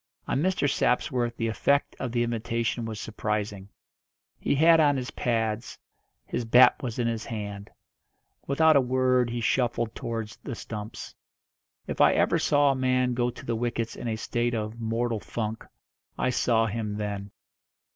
On Mr. Sapsworth the effect of the invitation was surprising. He had on his pads, his bat was in his hand. Without a word he shuffled towards the stumps. If ever I saw a man go to the wickets in a state of "mortal funk," I saw him then.